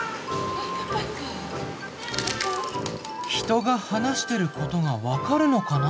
人が話してることが分かるのかな？